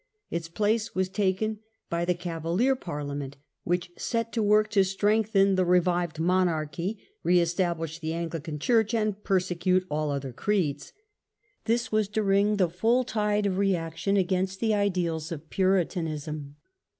Its place was taken by the " Cava lier " Parliament, which set to work 'to strengthen the revived monarchy, re establish the Anglican Church, and persecute all other creeds. This was during the full tide of reaction against the ideals of Puritanism.